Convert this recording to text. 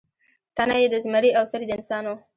تنه یې د زمري او سر یې د انسان و.